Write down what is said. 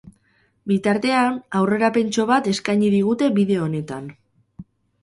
Bitartean, aurrerapentxo bat eskaini digute bideo honetan!